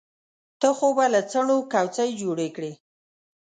ته خو به له څڼو کوڅۍ جوړې کړې.